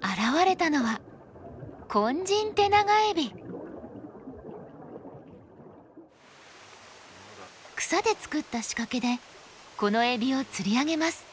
現れたのは草で作った仕掛けでこのエビを釣り上げます。